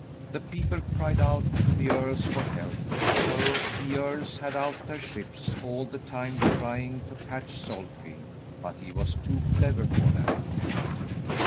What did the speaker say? The people cried out to the earls for help. So the earls had out their ships all the time trying to catch Solfi, but he was too clever for them.